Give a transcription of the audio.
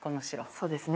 そうですね。